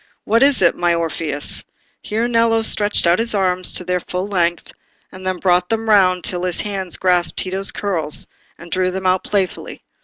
What is it, my Orpheus?" here Nello stretched out his arms to their full length, and then brought them round till his hands grasped Tito's curls, and drew them out playfully.